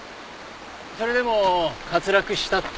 それでも滑落したっていうのは。